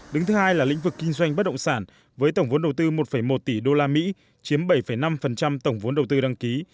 đứng thứ hai là lĩnh vực kinh doanh bất động sản với tổng vốn đầu tư một một tỷ usd chiếm bảy năm tổng vốn đầu tư đăng ký